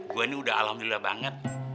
gue ini udah alhamdulillah banget